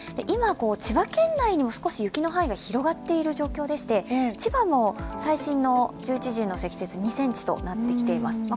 今、千葉県内にも少し雪の範囲が広がっている状況でして千葉も最新の１１時の積雪、２ｃｍとなってきています。